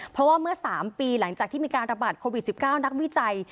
เพราะว่าเมื่อ๓ปีหลังจากที่มีการระบาดโควิด๑๙นักวิจัย